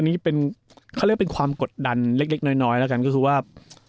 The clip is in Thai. อันนี้เขาเรียกเป็นความกดดันเล็กน้อยก็คือว่า